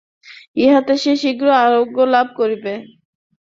ইহাতে সে শীঘ্র আরোগ্যলাভ করিবে।